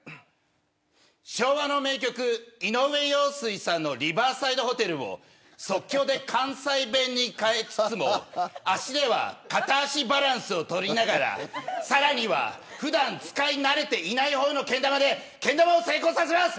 昭和の名曲、井上陽水さんのリバーサイドホテルを即興で関西弁に変えつつも足では片足バランスを取りながらさらには普段使い慣れていない方のけん玉でけん玉を成功させます。